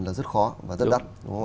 là rất khó và rất đắt